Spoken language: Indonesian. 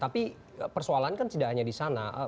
tapi persoalan kan tidak hanya di sana